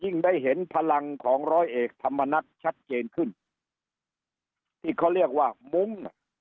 ได้เห็นพลังของร้อยเอกธรรมนัฐชัดเจนขึ้นที่เขาเรียกว่ามุ้งอ่ะ